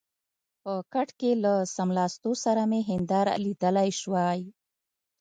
په کټ کې له څملاستو سره مې هنداره لیدلای شوای.